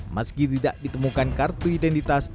meski tidak ditemukan kartu identitas